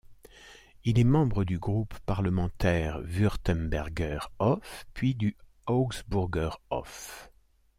Il est membre du groupe parlementaire Württemberger Hof puis du Augsburger Hof.